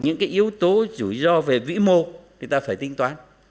những cái yếu tố rủi ro về vĩ mô thì ta phải tính toán